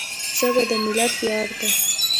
ژبه د ملت ویاړ ده